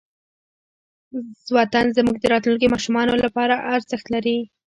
وطن زموږ د راتلونکې ماشومانو لپاره ارزښت لري.